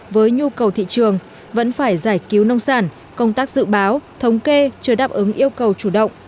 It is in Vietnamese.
với nhu cầu thị trường vẫn phải giải cứu nông sản công tác dự báo thống kê chưa đáp ứng yêu cầu chủ động